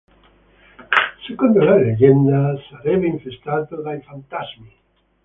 Secondo la leggenda, sarebbe infestato dai fantasmi.